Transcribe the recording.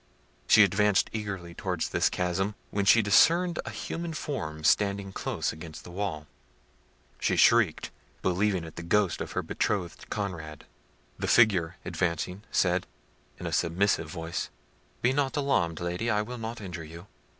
She advanced eagerly towards this chasm, when she discerned a human form standing close against the wall. She shrieked, believing it the ghost of her betrothed Conrad. The figure, advancing, said, in a submissive voice— "Be not alarmed, Lady; I will not injure you."